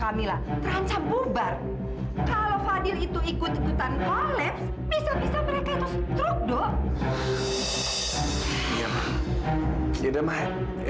kak mila mau durian pancake